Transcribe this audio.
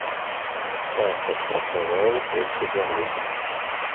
Так адпрацаваў больш за год.